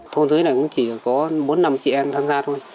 thôn dưới này cũng chỉ có bốn năm chị em tham gia thôi